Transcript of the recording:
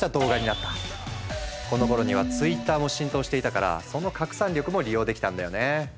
このころにはＴｗｉｔｔｅｒも浸透していたからその拡散力も利用できたんだよね。